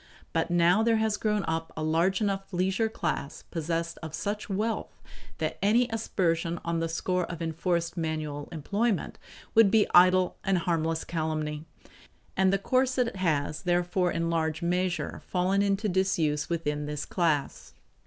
But now there has grown up a large enough leisure class possessed of such wealth that any aspersion on the score of enforced manual employment would be idle and harmless calumny; and the corset has therefore in large measure fallen into disuse within this class.